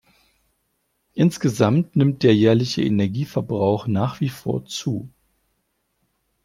Insgesamt nimmt der jährliche Energieverbrauch nach wie vor zu.